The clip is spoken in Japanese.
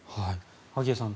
萩谷さん